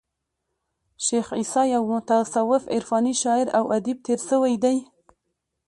شېخ عیسي یو متصوف عرفاني شاعر او ادیب تیر سوى دئ.